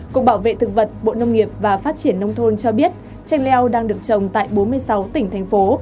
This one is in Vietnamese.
cục bảo vệ thực vật bộ nông nghiệp và phát triển nông thôn cho biết chanh leo đang được trồng tại bốn mươi sáu tỉnh thành phố